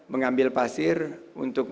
mengambil pasir untuk